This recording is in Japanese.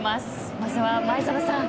まずは前園さん。